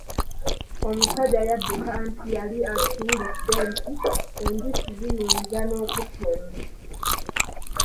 Omusajja yadduka anti yali akiwulidde nti enjuki ziyinza n’okutta omuntu.